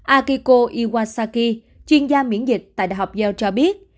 akiko iwasaki chuyên gia miễn dịch tại đại học yell cho biết